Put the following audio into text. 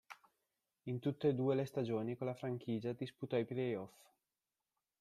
In tutte e due le stagioni con la franchigia disputò i playoffs.